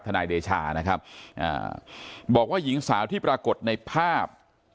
นายเดชานะครับบอกว่าหญิงสาวที่ปรากฏในภาพ